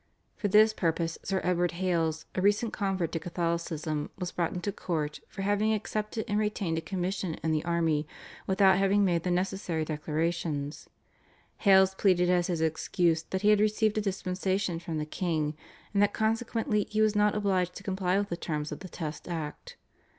For this purpose Sir Edward Hales, a recent convert to Catholicism, was brought into court for having accepted and retained a commission in the army without having made the necessary declarations. Hales pleaded as his excuse that he had received a dispensation from the king, and that consequently he was not obliged to comply with the terms of the Test Act.